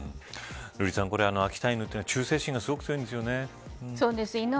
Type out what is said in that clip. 瑠麗さん、秋田犬は忠誠心がすごく強いんですよね。